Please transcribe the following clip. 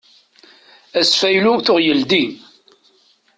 Asfaylu tuɣ yeldi.